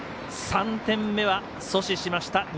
３点目は阻止しました。